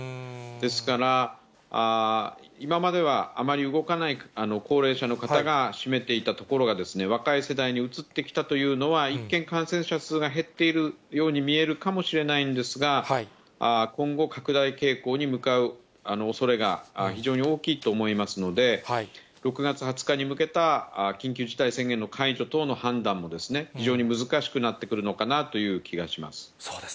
ですから、今まではあまり動かない高齢者の方が占めていたところが、若い世代に移ってきたというのは、一見、感染者数が減っているように見えるかもしれないんですが、今後、拡大傾向に向かうおそれが非常に大きいと思いますので、６月２０日に向けた緊急事態宣言の解除等の判断も、非常に難しくなってくるのかなという気がします。